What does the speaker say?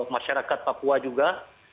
masyarakat papua juga